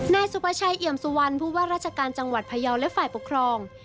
นายสุภาชัยเอี่ยมสุวรรณผู้ว่าราชการจังหวัดพยาวและฝ่ายปกครอง